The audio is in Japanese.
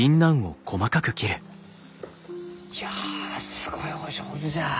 いやすごいお上手じゃ。